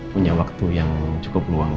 punya waktu yang cukup luang